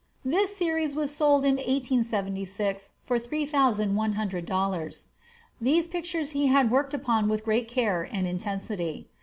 This series was sold in 1876 for three thousand one hundred dollars. These pictures he had worked upon with great care and intensity.